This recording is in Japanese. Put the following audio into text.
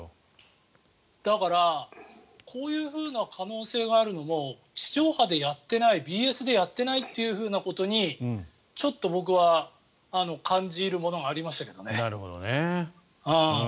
だから、こういうふうな可能性があるのも地上波でやっていないＢＳでやっていないということにちょっと僕は感じ入るものがありましたけどね。